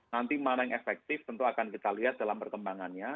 nanti mana yang efektif tentu akan kita lihat dalam perkembangannya